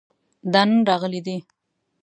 دا نن راغلی دی